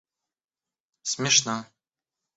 смешно